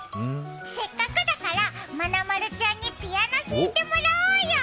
せっかくだからまなまるちゃんにピアノ弾いてもらおうよ。